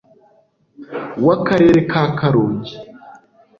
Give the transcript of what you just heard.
Wa karere ka Karongi